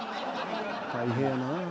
大変やな。